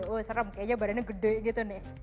oh serem kayaknya badannya gede gitu nih